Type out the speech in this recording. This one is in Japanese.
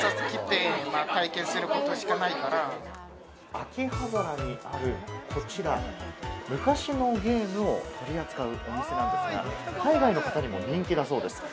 秋葉原にある、こちら、昔のゲームを取り扱うお店なんですが、海外の方にも人気だそうです。